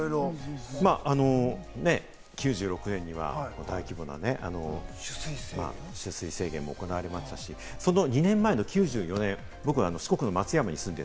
９６年には大規模な取水制限も行われましたし、その２年前の９４年、僕は四国の松山に住んで